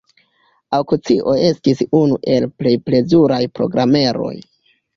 Aŭkcio estis unu el la plej plezuraj programeroj.